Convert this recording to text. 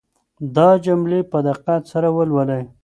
دا جملې په دقت سره ولولئ.